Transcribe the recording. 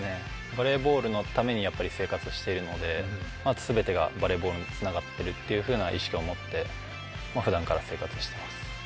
バレーボールのために生活しているので、全てがバレーボールにつながっているという意識を持ってふだんから生活しています。